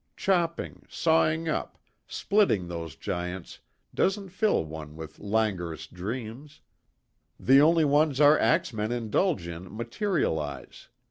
Chopping, sawing up, splitting those giants doesn't fill one with languorous dreams; the only ones our axe men indulge in materialise.